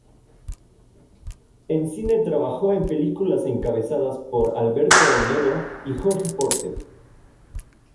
En cine trabajó en películas encabezadas por Alberto Olmedo y Jorge Porcel.